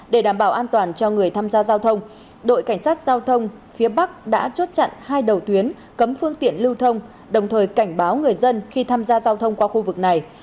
để đảm bảo an toàn cho người tham gia giao thông đội cảnh sát giao thông phía bắc đã chốt chặn hai đầu tuyến cấm phương tiện lưu thông đồng thời cảnh báo người dân khi tham gia giao thông qua khu vực này